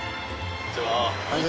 こんにちは。